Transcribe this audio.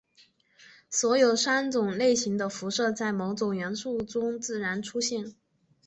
所有三种类型的辐射在某些元素中自然出现。